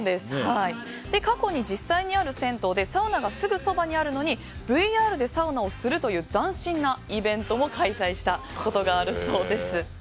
過去に実際にある銭湯でサウナがすぐそばにあるのにＶＲでサウナをするという斬新なイベントも開催したことがあるそうです。